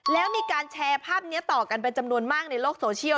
แล้วมีการแชร์ภาพนี้ต่อกันเป็นจำนวนมากในโลกโซเชียล